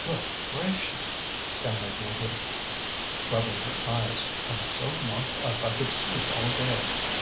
"Good gracious!" stammered Maheude, rubbing her eyes, "I'm so knocked up I could sleep all day.